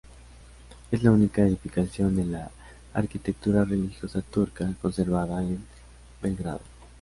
Es la única edificación de la arquitectura religiosa turca conservada en Belgrado.